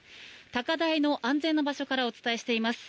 高台の安全な場所からお伝えしています。